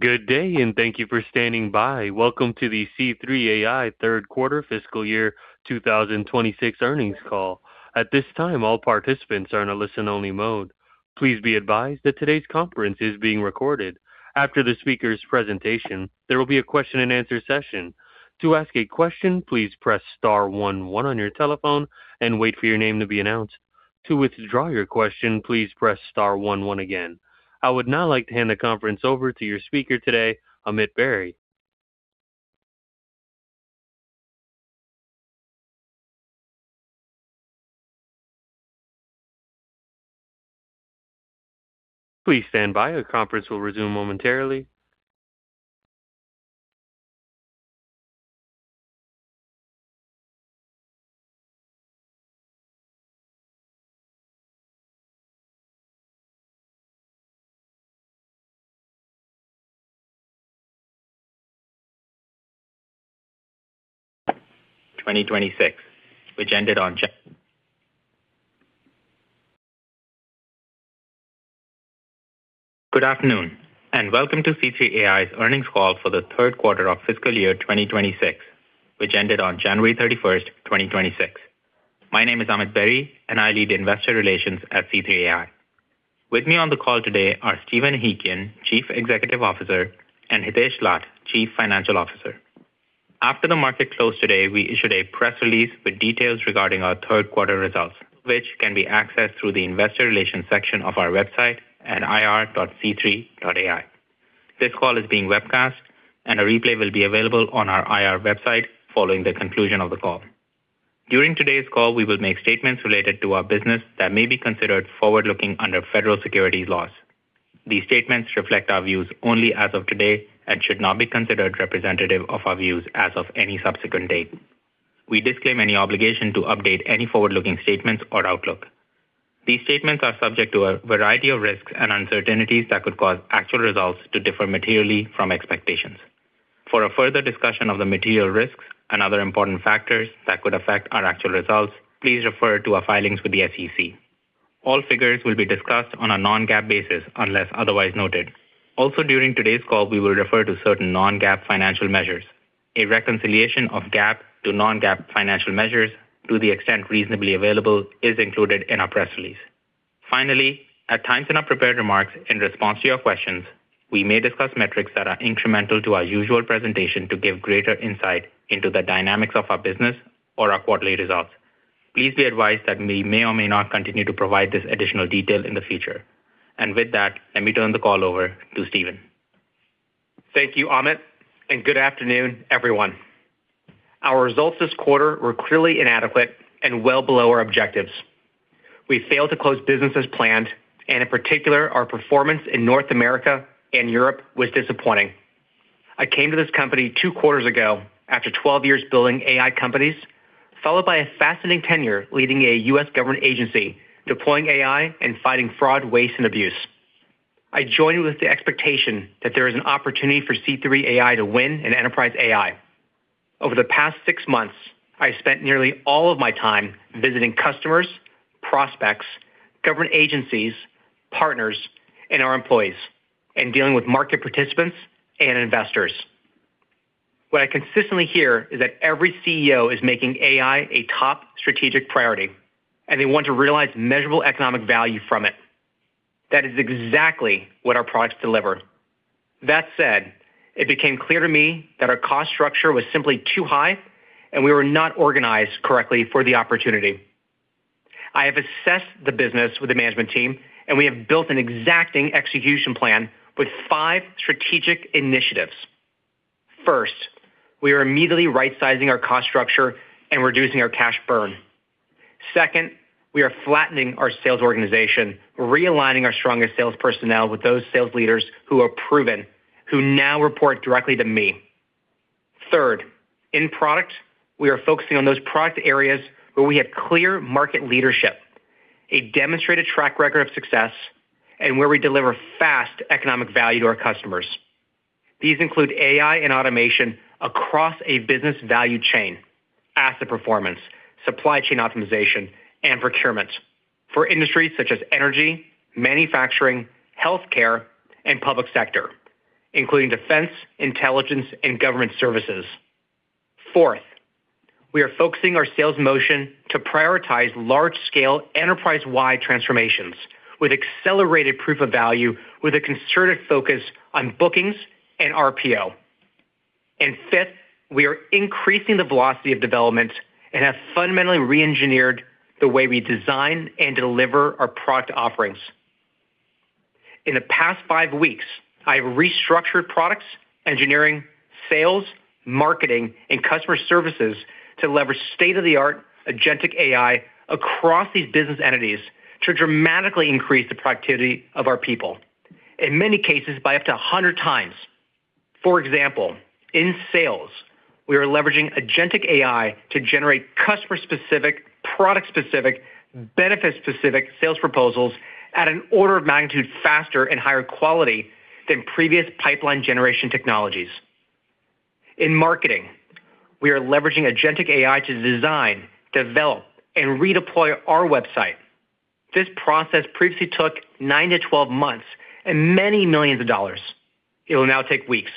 Good day, and thank you for standing by. Welcome to the C3.ai third quarter fiscal year 2026 earnings call. At this time, all participants are in a listen-only mode. Please be advised that today's conference is being recorded. After the speaker's presentation, there will be a question-and-answer session. To ask a question, please press star one one on your telephone and wait for your name to be announced. To withdraw your question, please press star one one again. I would now like to hand the conference over to your speaker today, Amit Berry. Please stand by. The conference will resume momentarily. Good afternoon, and welcome to C3.ai's earnings call for the third quarter of fiscal year 2026, which ended on January 31st, 2026. My name is Amit Berry, and I lead Investor Relations at C3.ai. With me on the call today are Stephen Ehikian, Chief Executive Officer, and Hitesh Lath, Chief Financial Officer. After the market closed today, we issued a press release with details regarding our third quarter results, which can be accessed through the investor relations section of our website at ir.c3.ai. This call is being webcast, and a replay will be available on our IR website following the conclusion of the call. During today's call, we will make statements related to our business that may be considered forward-looking under federal securities laws. These statements reflect our views only as of today and should not be considered representative of our views as of any subsequent date. We disclaim any obligation to update any forward-looking statements or outlook. These statements are subject to a variety of risks and uncertainties that could cause actual results to differ materially from expectations. For a further discussion of the material risks and other important factors that could affect our actual results, please refer to our filings with the SEC. All figures will be discussed on a non-GAAP basis unless otherwise noted. During today's call, we will refer to certain non-GAAP financial measures. A reconciliation of GAAP to non-GAAP financial measures, to the extent reasonably available, is included in our press release. Finally, at times in our prepared remarks, in response to your questions, we may discuss metrics that are incremental to our usual presentation to give greater insight into the dynamics of our business or our quarterly results. Please be advised that we may or may not continue to provide this additional detail in the future. With that, let me turn the call over to Stephen. Thank you, Amit. Good afternoon, everyone. Our results this quarter were clearly inadequate and well below our objectives. We failed to close business as planned, and in particular, our performance in North America and Europe was disappointing. I came to this company two quarters ago after 12 years building AI companies, followed by a fascinating tenure leading a U.S. government agency, deploying AI and fighting fraud, waste, and abuse. I joined with the expectation that there is an opportunity for C3.ai to win in enterprise AI. Over the past six months, I spent nearly all of my time visiting customers, prospects, government agencies, partners, and our employees, and dealing with market participants and investors. What I consistently hear is that every CEO is making AI a top strategic priority, and they want to realize measurable economic value from it. That is exactly what our products deliver. It became clear to me that our cost structure was simply too high and we were not organized correctly for the opportunity. I have assessed the business with the management team, and we have built an exacting execution plan with 5 strategic initiatives. First, we are immediately rightsizing our cost structure and reducing our cash burn. Second, we are flattening our sales organization, realigning our strongest sales personnel with those sales leaders who are proven, who now report directly to me. Third, in product, we are focusing on those product areas where we have clear market leadership, a demonstrated track record of success, and where we deliver fast economic value to our customers. These include AI and automation across a business value chain, asset performance, supply chain optimization, and procurement for industries such as energy, manufacturing, healthcare, and public sector, including defense, intelligence, and government services. Fourth, we are focusing our sales motion to prioritize large-scale, enterprise-wide transformations with accelerated proof of value, with a concerted focus on bookings and RPO. Fifth, we are increasing the velocity of development and have fundamentally reengineered the way we design and deliver our product offerings. In the past five weeks, I have restructured products, engineering, sales, marketing, and customer services to leverage state-of-the-art agentic AI across these business entities to dramatically increase the productivity of our people, in many cases by up to 100 times. For example, in sales, we are leveraging agentic AI to generate customer-specific, product-specific, benefit-specific sales proposals at an order of magnitude faster and higher quality than previous pipeline generation technologies. In marketing, we are leveraging agentic AI to design, develop, and redeploy our website. This process previously took nine to 12 months and many millions of dollars. It will now take weeks.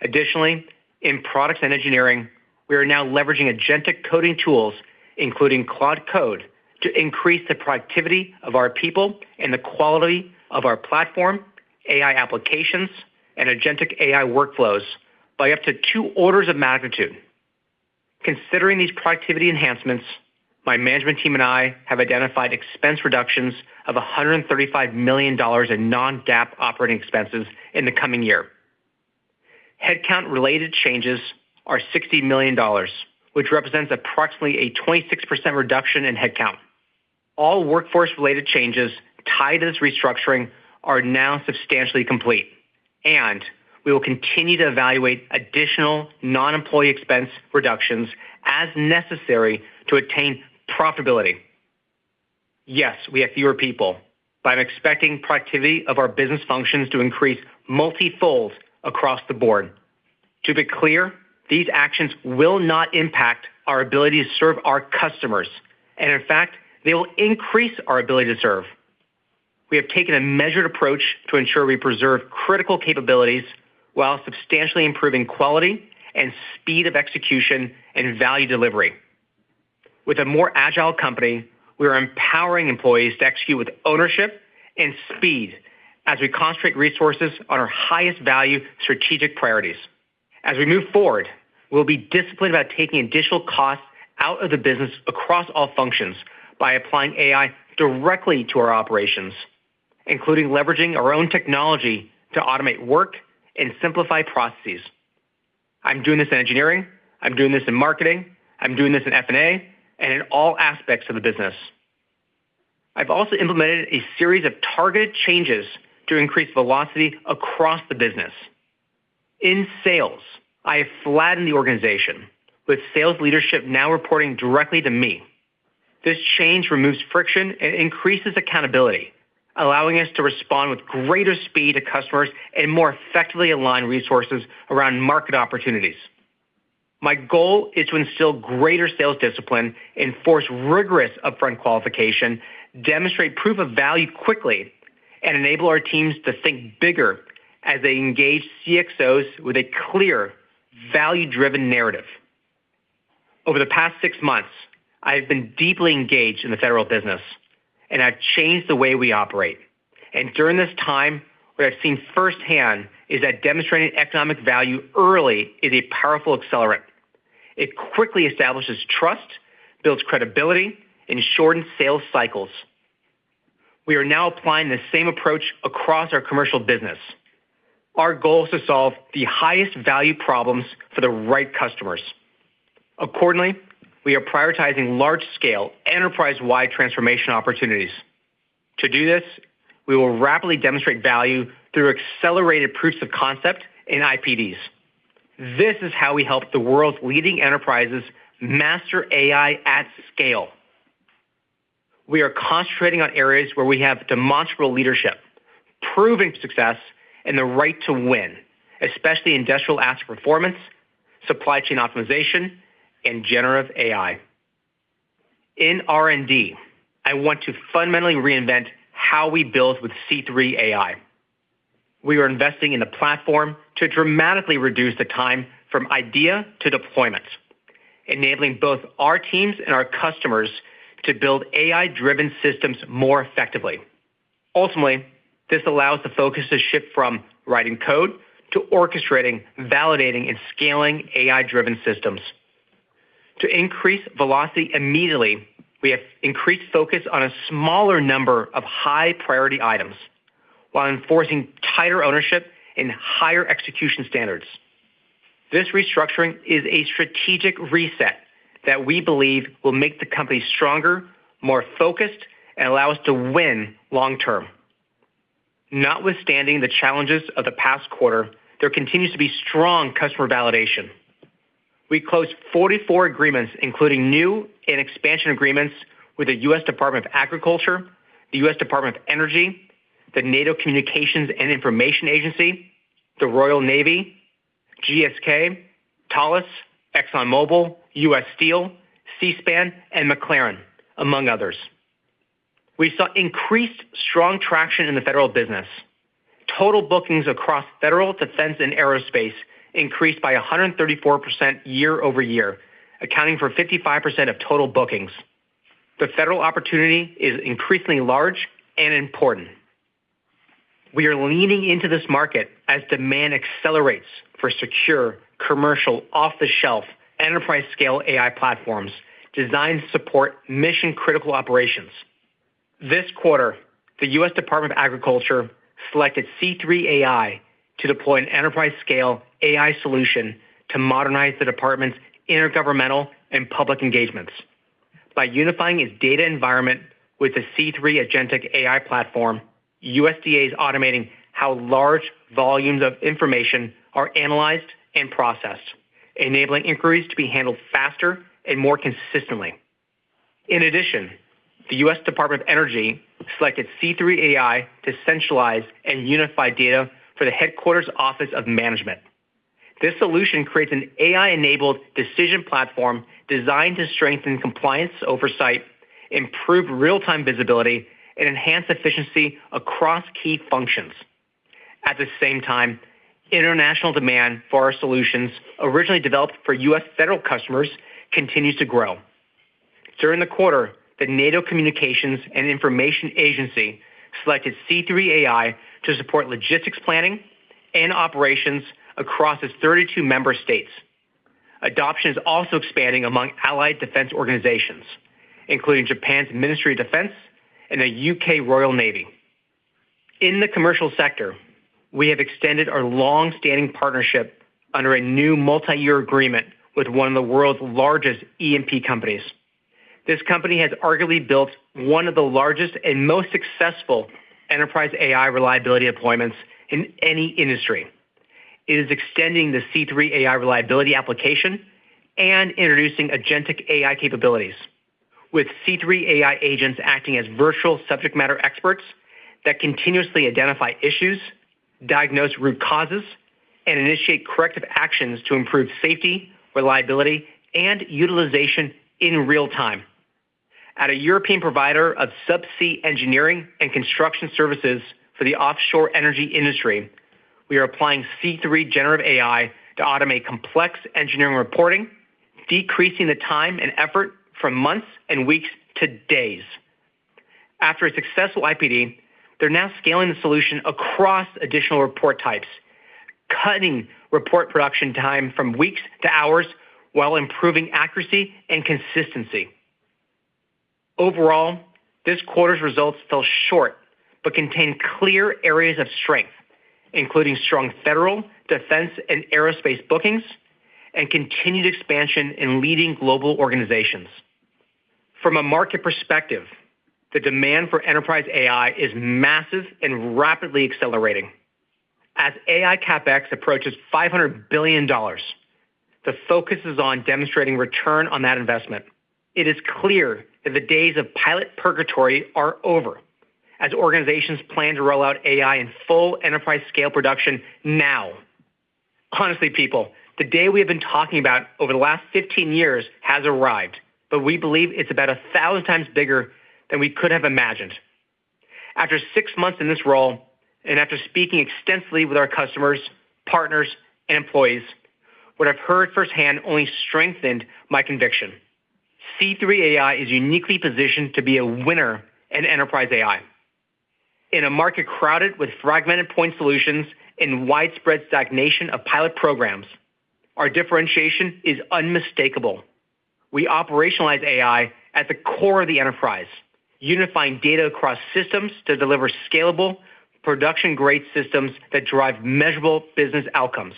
Additionally, in products and engineering, we are now leveraging agentic coding tools, including Cloud Code, to increase the productivity of our people and the quality of our platform, AI applications, and agentic AI workflows by up to two orders of magnitude. Considering these productivity enhancements, my management team and I have identified expense reductions of $135 million in non-GAAP operating expenses in the coming year. Headcount-related changes are $60 million, which represents approximately a 26% reduction in headcount. All workforce-related changes tied to this restructuring are now substantially complete, and we will continue to evaluate additional non-employee expense reductions as necessary to attain profitability. Yes, we have fewer people, but I'm expecting productivity of our business functions to increase multifold across the board. To be clear, these actions will not impact our ability to serve our customers. In fact, they will increase our ability to serve. We have taken a measured approach to ensure we preserve critical capabilities while substantially improving quality and speed of execution and value delivery. With a more agile company, we are empowering employees to execute with ownership and speed as we concentrate resources on our highest value strategic priorities. As we move forward, we'll be disciplined about taking additional costs out of the business across all functions by applying AI directly to our operations, including leveraging our own technology to automate work and simplify processes. I'm doing this in engineering, I'm doing this in marketing, I'm doing this in FP&A, in all aspects of the business. I've also implemented a series of targeted changes to increase velocity across the business. In sales, I have flattened the organization, with sales leadership now reporting directly to me. This change removes friction and increases accountability, allowing us to respond with greater speed to customers and more effectively align resources around market opportunities. My goal is to instill greater sales discipline, enforce rigorous upfront qualification, demonstrate proof of value quickly, and enable our teams to think bigger as they engage CXOs with a clear, value-driven narrative. Over the past six months, I've been deeply engaged in the federal business, and I've changed the way we operate. During this time, what I've seen firsthand is that demonstrating economic value early is a powerful accelerant. It quickly establishes trust, builds credibility, and shortens sales cycles. We are now applying the same approach across our commercial business. Our goal is to solve the highest value problems for the right customers. Accordingly, we are prioritizing large-scale, enterprise-wide transformation opportunities. To do this, we will rapidly demonstrate value through accelerated proofs of concept in IPDs. This is how we help the world's leading enterprises master AI at scale. We are concentrating on areas where we have demonstrable leadership, proving success, and the right to win, especially industrial asset performance, supply chain optimization, and generative AI. In R&D, I want to fundamentally reinvent how we build with C3.ai. We are investing in a platform to dramatically reduce the time from idea to deployment, enabling both our teams and our customers to build AI-driven systems more effectively. Ultimately, this allows the focus to shift from writing code to orchestrating, validating, and scaling AI-driven systems. To increase velocity immediately, we have increased focus on a smaller number of high-priority items while enforcing tighter ownership and higher execution standards. This restructuring is a strategic reset that we believe will make the company stronger, more focused, and allow us to win long term. Notwithstanding the challenges of the past quarter, there continues to be strong customer validation. We closed 44 agreements, including new and expansion agreements with the U.S. Department of Agriculture, the U.S. Department of Energy, the NATO Communications and Information Agency, the Royal Navy, GSK, Talos, ExxonMobil, U.S. Steel, C-SPAN, and McLaren, among others. We saw increased strong traction in the federal business. Total bookings across federal defense and aerospace increased by 134% year-over-year, accounting for 55% of total bookings. The federal opportunity is increasingly large and important. We are leaning into this market as demand accelerates for secure, commercial, off-the-shelf, enterprise-scale AI platforms designed to support mission-critical operations. This quarter, the U.S. Department of Agriculture selected C3.ai to deploy an enterprise-scale AI solution to modernize the department's intergovernmental and public engagements. By unifying its data environment with the C3 agentic AI platform, USDA is automating how large volumes of information are analyzed and processed, enabling inquiries to be handled faster and more consistently. This solution creates an AI-enabled decision platform designed to strengthen compliance oversight, improve real-time visibility, and enhance efficiency across key functions. At the same time, international demand for our solutions, originally developed for U.S. federal customers, continues to grow. During the quarter, the NATO Communications and Information Agency selected C3.ai to support logistics planning and operations across its 32 member states. Adoption is also expanding among allied defense organizations, including Japan's Ministry of Defense and the U.K. Royal Navy. In the commercial sector, we have extended our long-standing partnership under a new multi-year agreement with one of the world's largest E&P companies. This company has arguably built one of the largest and most successful enterprise AI reliability deployments in any industry. It is extending the C3.ai Reliability application and introducing agentic AI capabilities, with C3.ai agents acting as virtual subject matter experts that continuously identify issues, diagnose root causes, and initiate corrective actions to improve safety, reliability, and utilization in real time. At a European provider of subsea engineering and construction services for the offshore energy industry, we are applying C3 generative AI to automate complex engineering reporting, decreasing the time and effort from months and weeks to days. After a successful IPD, they're now scaling the solution across additional report types, cutting report production time from weeks to hours while improving accuracy and consistency. Overall, this quarter's results fell short, contain clear areas of strength, including strong federal, defense, and aerospace bookings, and continued expansion in leading global organizations. From a market perspective, the demand for enterprise AI is massive and rapidly accelerating. As AI CapEx approaches $500 billion, the focus is on demonstrating return on that investment. It is clear that the days of pilot purgatory are over, as organizations plan to roll out AI in full enterprise-scale production now. Honestly, people, the day we have been talking about over the last 15 years has arrived, we believe it's about 1,000 times bigger than we could have imagined. After six months in this role, and after speaking extensively with our customers, partners, and employees, what I've heard firsthand only strengthened my conviction. C3.ai is uniquely positioned to be a winner in enterprise AI. In a market crowded with fragmented point solutions and widespread stagnation of pilot programs, our differentiation is unmistakable. We operationalize AI at the core of the enterprise, unifying data across systems to deliver scalable, production-grade systems that drive measurable business outcomes.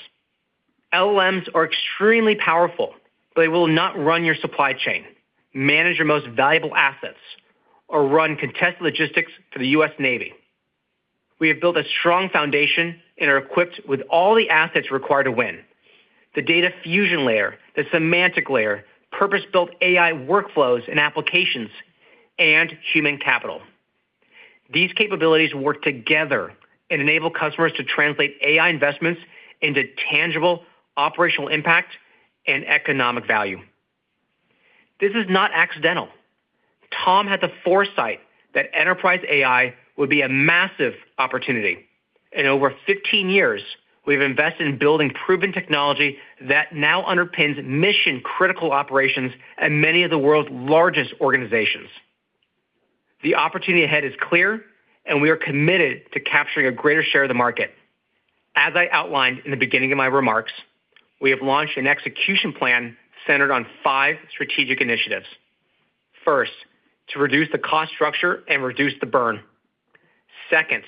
LLMs are extremely powerful, but they will not run your supply chain, manage your most valuable assets, or run contested logistics for the U.S. Navy. We have built a strong foundation and are equipped with all the assets required to win. The data fusion layer, the semantic layer, purpose-built AI workflows and applications, and human capital. These capabilities work together and enable customers to translate AI investments into tangible operational impact and economic value. This is not accidental. Tom had the foresight that enterprise AI would be a massive opportunity. Over 15 years, we've invested in building proven technology that now underpins mission-critical operations at many of the world's largest organizations. The opportunity ahead is clear. We are committed to capturing a greater share of the market. As I outlined in the beginning of my remarks, we have launched an execution plan centered on five strategic initiatives. First, to reduce the cost structure and reduce the burn. Second,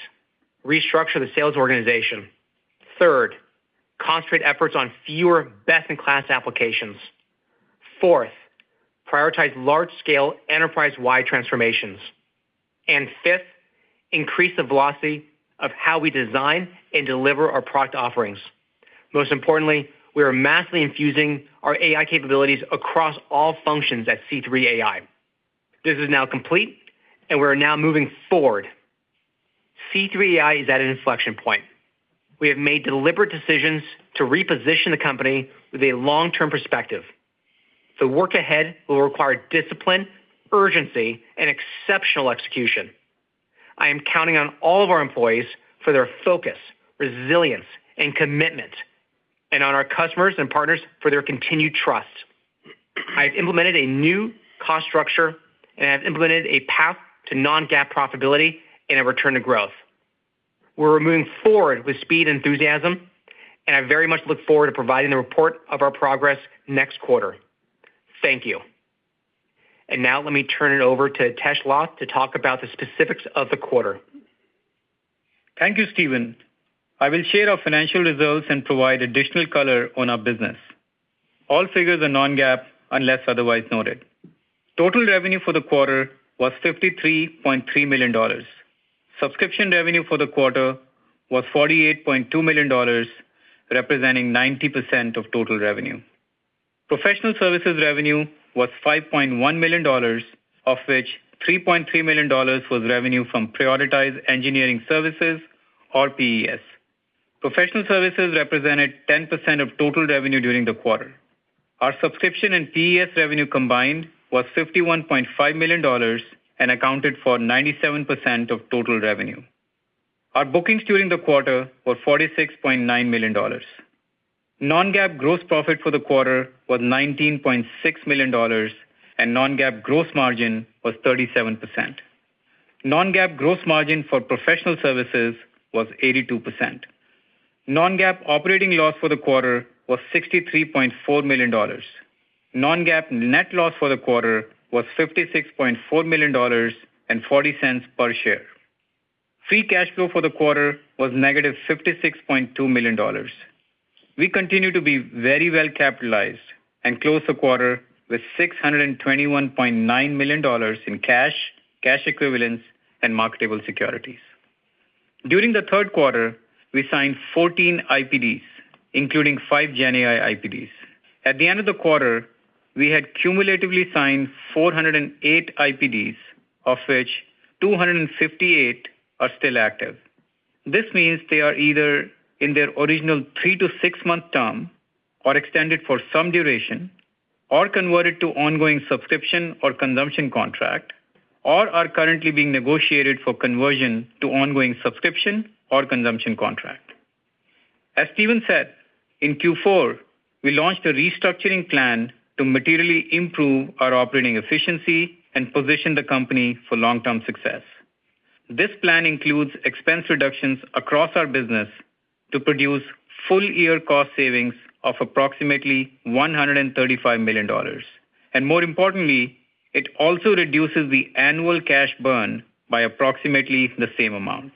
restructure the sales organization. Third, concentrate efforts on fewer best-in-class applications. Fourth, prioritize large-scale, enterprise-wide transformations. Fifth, increase the velocity of how we design and deliver our product offerings. Most importantly, we are massively infusing our AI capabilities across all functions at C3.ai. This is now complete, and we are now moving forward. C3.ai is at an inflection point. We have made deliberate decisions to reposition the company with a long-term perspective. The work ahead will require discipline, urgency, and exceptional execution. I am counting on all of our employees for their focus, resilience, and commitment, and on our customers and partners for their continued trust. I've implemented a new cost structure, and I've implemented a path to non-GAAP profitability and a return to growth. We're moving forward with speed and enthusiasm, and I very much look forward to providing the report of our progress next quarter. Thank you. Now let me turn it over to Hitesh Lath to talk about the specifics of the quarter. Thank you, Stephen. I will share our financial results and provide additional color on our business. All figures are non-GAAP unless otherwise noted. Total revenue for the quarter was $53.3 million. Subscription revenue for the quarter was $48.2 million, representing 90% of total revenue. Professional services revenue was $5.1 million, of which $3.3 million was revenue from prioritized engineering services, or PES. Professional services represented 10% of total revenue during the quarter. Our subscription and PES revenue combined was $51.5 million and accounted for 97% of total revenue. Our bookings during the quarter were $46.9 million. Non-GAAP gross profit for the quarter was $19.6 million, and non-GAAP gross margin was 37%. Non-GAAP gross margin for professional services was 82%. Non-GAAP operating loss for the quarter was $63.4 million. Non-GAAP net loss for the quarter was $56.4 million and $0.40 per share. Free cash flow for the quarter was negative $56.2 million. We continue to be very well capitalized and close the quarter with $621.9 million in cash equivalents, and marketable securities. During the third quarter, we signed 14 IPDs, including five GenAI IPDs. At the end of the quarter, we had cumulatively signed 408 IPDs, of which 258 are still active. This means they are either in their original three to six-month term, or extended for some duration, or converted to ongoing subscription or consumption contract, or are currently being negotiated for conversion to ongoing subscription or consumption contract. As Stephen Ehikian said, in Q4, we launched a restructuring plan to materially improve our operating efficiency and position the company for long-term success. This plan includes expense reductions across our business to produce full-year cost savings of approximately $135 million. More importantly, it also reduces the annual cash burn by approximately the same amount.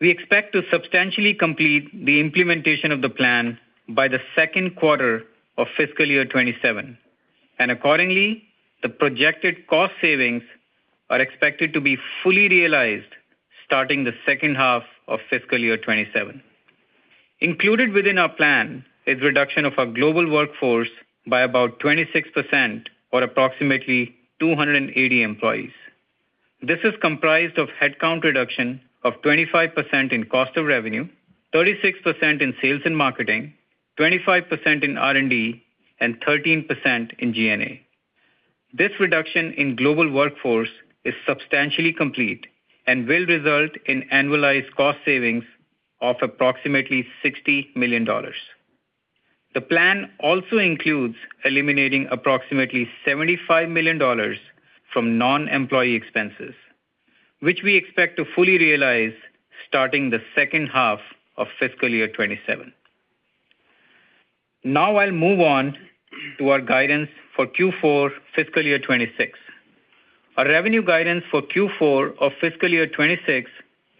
We expect to substantially complete the implementation of the plan by the second quarter of fiscal year 2027. Accordingly, the projected cost savings are expected to be fully realized starting the second half of fiscal year 2027. Included within our plan is reduction of our global workforce by about 26% or approximately 280 employees. This is comprised of headcount reduction of 25% in cost of revenue, 36% in sales and marketing, 25% in R&D, and 13% in G&A. This reduction in global workforce is substantially complete and will result in annualized cost savings of approximately $60 million. The plan also includes eliminating approximately $75 million from non-employee expenses, which we expect to fully realize starting the second half of fiscal year 2027. I'll move on to our guidance for Q4, fiscal year 2026. Our revenue guidance for Q4 of fiscal year 2026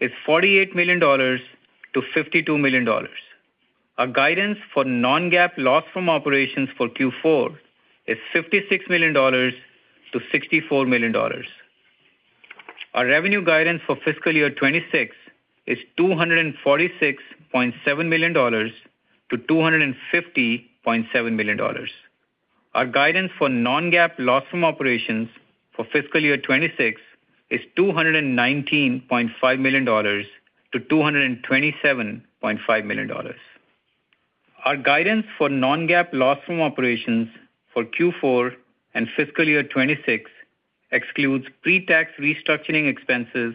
is $48 million-$52 million. Our guidance for non-GAAP loss from operations for Q4 is $56 million-$64 million. Our revenue guidance for fiscal year 2026 is $246.7 million-$250.7 million. Our guidance for non-GAAP loss from operations for fiscal year 2026 is $219.5 million-$227.5 million. Our guidance for non-GAAP loss from operations for Q4 and fiscal year 2026 excludes pre-tax restructuring expenses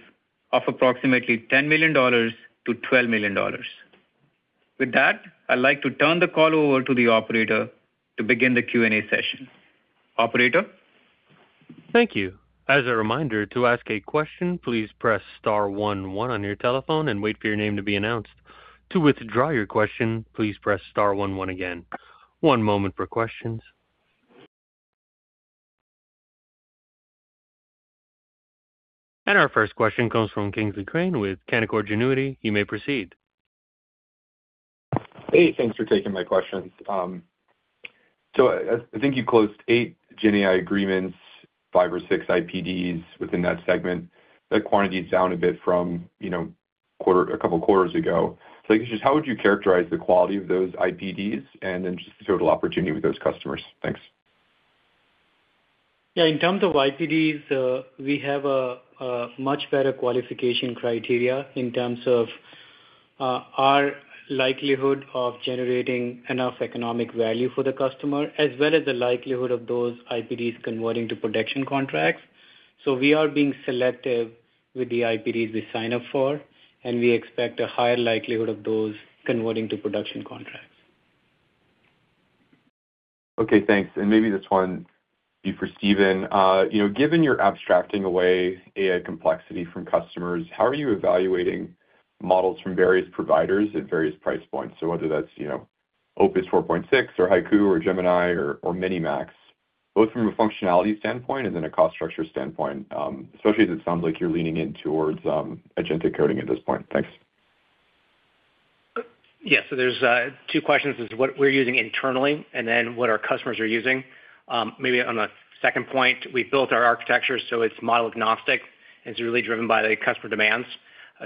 of approximately $10 million-$12 million. With that, I'd like to turn the call over to the operator to begin the Q&A session. Operator? Thank you. As a reminder, to ask a question, please press star one one on your telephone and wait for your name to be announced. To withdraw your question, please press star one one again. One moment for questions. Our first question comes from Kingsley Crane with Canaccord Genuity. You may proceed. Hey, thanks for taking my questions. I think you closed eight GenAI agreements, five or six IPDs within that segment. That quantity is down a bit from, you know, a couple quarters ago. I guess just how would you characterize the quality of those IPDs and then just the total opportunity with those customers? Thanks. Yeah, in terms of IPDs, we have a much better qualification criteria in terms of our likelihood of generating enough economic value for the customer, as well as the likelihood of those IPDs converting to production contracts. We are being selective with the IPDs we sign up for, and we expect a higher likelihood of those converting to production contracts. Okay, thanks. Maybe this one be for Stephen. You know, given you're abstracting away AI complexity from customers, how are you evaluating models from various providers at various price points? Whether that's, you know, Opus 4.6 or Haiku or Gemini or Minimax, both from a functionality standpoint and then a cost structure standpoint, especially as it sounds like you're leaning in towards agentic coding at this point. Thanks. Yes, there's two questions as to what we're using internally and then what our customers are using. Maybe on the second point, we built our architecture, so it's model-agnostic, and it's really driven by the customer demands.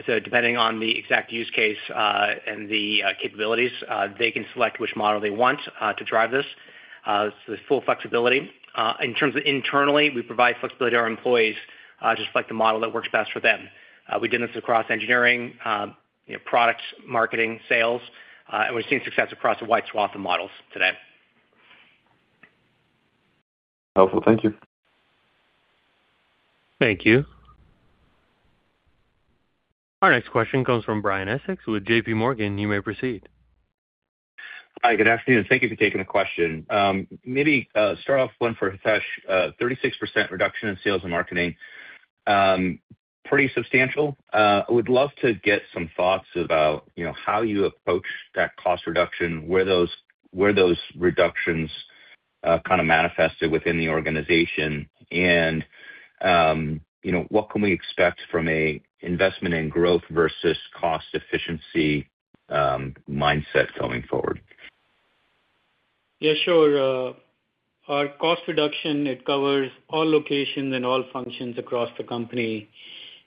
Depending on the exact use case, and the capabilities, they can select which model they want to drive this. There's full flexibility. In terms of internally, we provide flexibility to our employees, just select the model that works best for them. We did this across engineering, you know, products, marketing, sales, and we've seen success across a wide swath of models today. Helpful. Thank you. Thank you. Our next question comes from Brian Essex with JPMorgan. You may proceed. Hi, good afternoon. Thank Thank you for taking the question. maybe start off one for Hitesh. 36% reduction in sales and marketing, pretty substantial. I would love to get some thoughts about, you know, how you approach that cost reduction, where those reductions kind of manifested within the organization, and, you know, what can we expect from a investment in growth versus cost efficiency mindset going forward? Yeah, sure. Our cost reduction, it covers all locations and all functions across the company.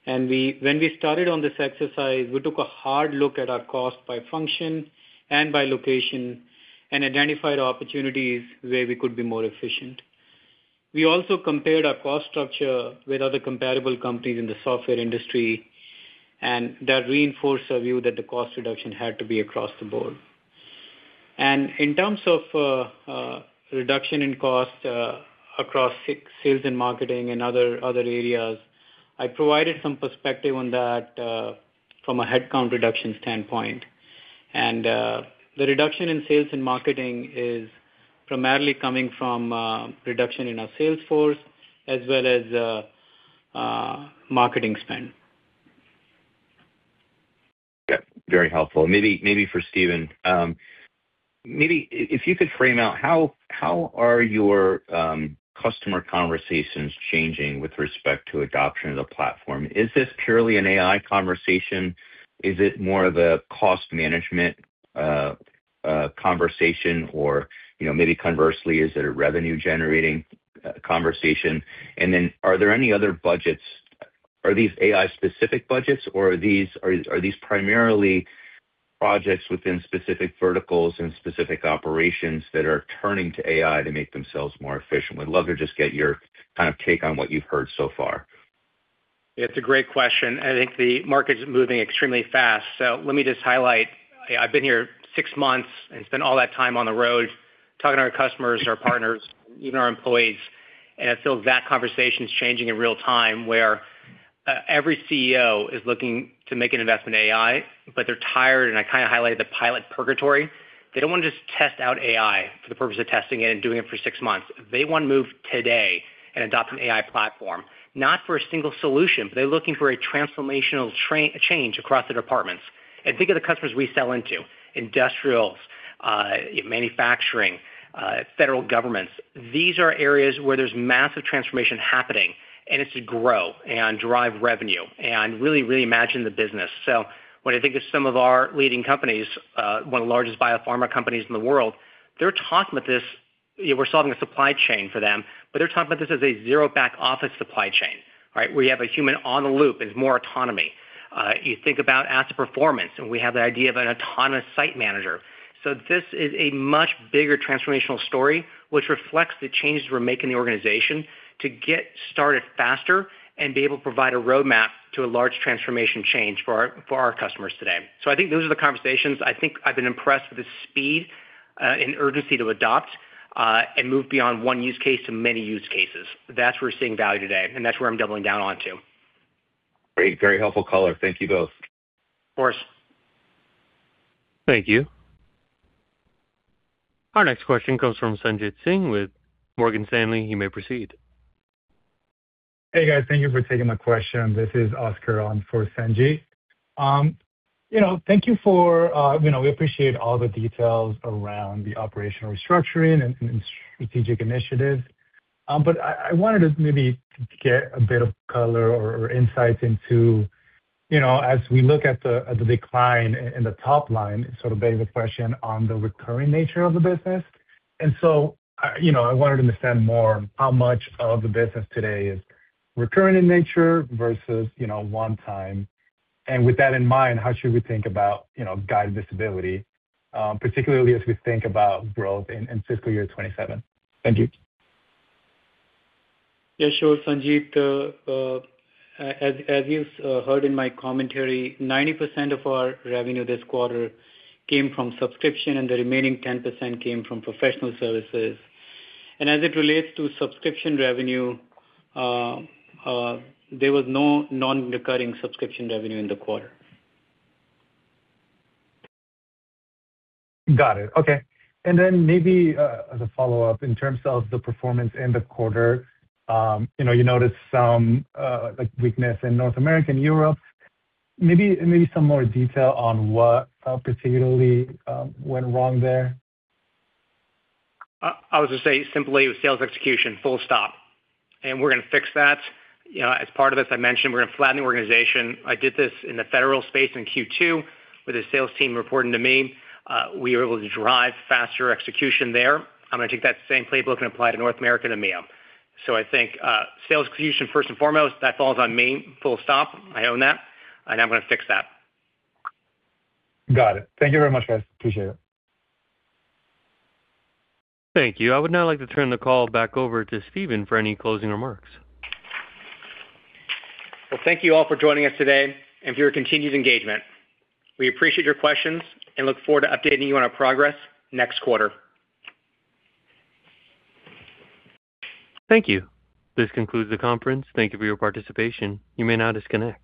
When we started on this exercise, we took a hard look at our cost by function and by location and identified opportunities where we could be more efficient. We also compared our cost structure with other comparable companies in the software industry, and that reinforced our view that the cost reduction had to be across the board. In terms of reduction in cost across sales and marketing and other areas, I provided some perspective on that from a headcount reduction standpoint. The reduction in sales and marketing is primarily coming from reduction in our sales force as well as marketing spend. Yeah, very helpful. Maybe, maybe for Stephen Ehikian, if you could frame out, how are your customer conversations changing with respect to adoption of the platform? Is this purely an AI conversation? Is it more of a cost management conversation? You know, maybe conversely, is it a revenue-generating conversation? Are there any other budgets? Are these AI-specific budgets, or are these primarily projects within specific verticals and specific operations that are turning to AI to make themselves more efficient? Would love to just get your kind of take on what you've heard so far. It's a great question. I think the market's moving extremely fast, so let me just highlight. I've been here six months and spent all that time on the road talking to our customers, our partners, even our employees, and I feel that conversation is changing in real time, where every CEO is looking to make an investment in AI, but they're tired, and I kinda highlighted the pilot purgatory. They don't wanna just test out AI for the purpose of testing it and doing it for six months. They wanna move today and adopt an AI platform, not for a single solution, but they're looking for a transformational change across the departments. Think of the customers we sell into, industrials, manufacturing, federal governments. These are areas where there's massive transformation happening, and it's to grow and drive revenue and really, really imagine the business. When I think of some of our leading companies, one of the largest biopharma companies in the world, they're talking about this. We're solving a supply chain for them, but they're talking about this as a zero back office supply chain, right? Where you have a human on the loop, there's more autonomy. You think about asset performance, and we have the idea of an autonomous site manager. This is a much bigger transformational story, which reflects the changes we're making in the organization to get started faster and be able to provide a roadmap to a large transformation change for our, for our customers today. I think those are the conversations. I think I've been impressed with the speed, and urgency to adopt, and move beyond one use case to many use cases. That's where we're seeing value today, and that's where I'm doubling down onto. Great. Very helpful call. Thank you both. Of course. Thank you. Our next question comes from Sanjit Singh with Morgan Stanley. You may proceed. Hey, guys. Thank you for taking my question. This is Oscar on for Sanjit. You know, thank you for... You know, we appreciate all the details around the operational restructuring and strategic initiatives. I wanted to maybe get a bit of color or insights into, you know, as we look at the, at the decline in the top line, sort of beg the question on the recurring nature of the business. So, I, you know, I wanted to understand more how much of the business today is recurring in nature versus, you know, one time. With that in mind, how should we think about, you know, guided visibility, particularly as we think about growth in fiscal year 2027? Thank you. Yeah, sure, Oscar. As you heard in my commentary, 90% of our revenue this quarter came from subscription, the remaining 10% came from professional services. As it relates to subscription revenue, there was no non-recurring subscription revenue in the quarter. Got it. Okay. Maybe as a follow-up, in terms of the performance in the quarter, you know, you noticed some, like, weakness in North America and Europe. Maybe some more detail on what particularly went wrong there? I would just say simply it was sales execution, full stop. We're gonna fix that. You know, as part of this, I mentioned we're gonna flatten the organization. I did this in the federal space in Q2 with the sales team reporting to me. We were able to drive faster execution there. I'm gonna take that same playbook and apply to North America and EMEA. I think sales execution, first and foremost, that falls on me, full stop. I own that, and I'm gonna fix that. Got it. Thank you very much, guys. Appreciate it. Thank you. I would now like to turn the call back over to Stephen for any closing remarks. Well, thank you all for joining us today and for your continued engagement. We appreciate your questions and look forward to updating you on our progress next quarter. Thank you. This concludes the conference. Thank you for your participation. You may now disconnect.